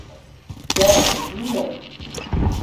kiya i inu’?